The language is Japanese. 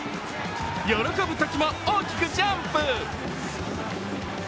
喜ぶときも大きくジャンプ。